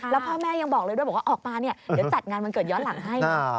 แล้วพ่อแม่ยังบอกเลยด้วยบอกว่าออกมาเนี่ยเดี๋ยวจัดงานวันเกิดย้อนหลังให้